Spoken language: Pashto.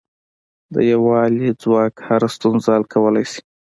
د یووالي ځواک هره ستونزه حل کولای شي.